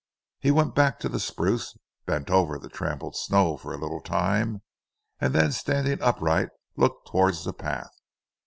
He went back to the spruce, bent over the trampled snow for a little time, and then standing upright looked towards the path.